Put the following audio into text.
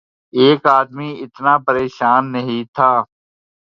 ایک آدمی اتنا پریشان نہیں تھا۔